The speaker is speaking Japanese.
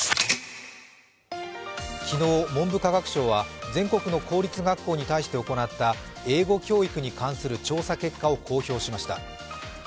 昨日、文部科学省は全国の公立学校に対して行った英語教育に関する調査結果を公表しました。